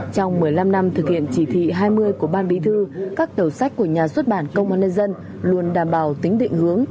trong một mươi năm năm thực hiện chỉ thị hai mươi của ban bí thư các đầu sách của nhà xuất bản công an nhân dân luôn đảm bảo tính định hướng